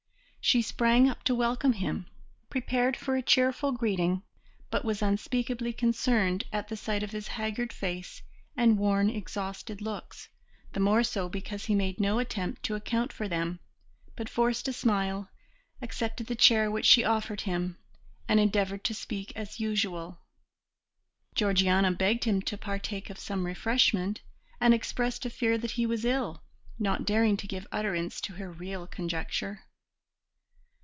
She sprang up to welcome him, prepared for a cheerful greeting, but was unspeakably concerned at the sight of his haggard face and worn, exhausted looks, the more so because he made no attempt to account for them, but forced a smile, accepted the chair which she offered him, and endeavoured to speak as usual. Georgiana begged him to partake of some refreshment, and expressed a fear that he was ill, not daring to give utterance to her real conjecture.